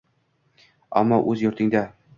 Ammo, o‘z yurtingda...